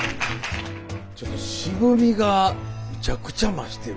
ちょっと渋みがむちゃくちゃ増してる。